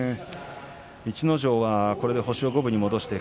逸ノ城がこれで星を五分に戻しました。